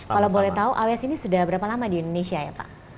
kalau boleh tahu aws ini sudah berapa lama di indonesia ya pak